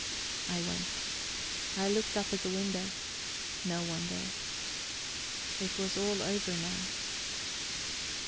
I went. I looked up at the window. No one there. It was all over now...